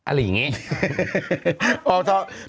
อะไรอย่างนี้